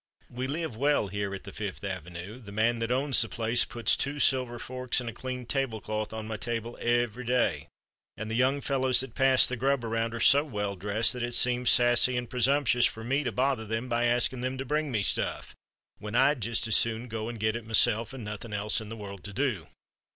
"We live well here at the Fifth Avenue. The man that owns the place puts two silver forks and a clean tablecloth on my table every day, and the young fellows that pass the grub around are so well dressed that it seems sassy and presumptions for me to bother them by asking them to bring me stuff when I'd just as soon go and get it myself and nothing else in the world to do.